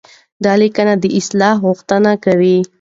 دا ليکنه د اصلاح غوښتنه کوي.